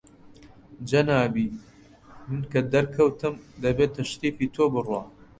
جەنابی من کە دەرکەوتم، دەبێ تەشریفی تۆ بڕوا